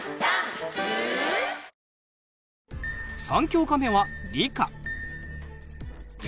３教科目は理科。